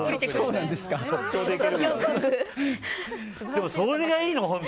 でも、それがいいの？